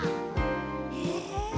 へえ。